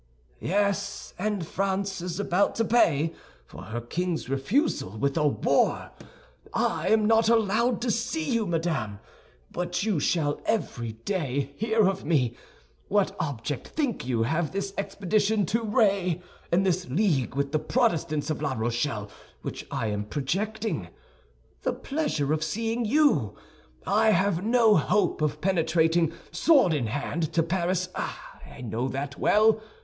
"Yes, and France is about to pay for her king's refusal with a war. I am not allowed to see you, madame, but you shall every day hear of me. What object, think you, have this expedition to Ré and this league with the Protestants of La Rochelle which I am projecting? The pleasure of seeing you. I have no hope of penetrating, sword in hand, to Paris, I know that well.